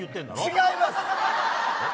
違います！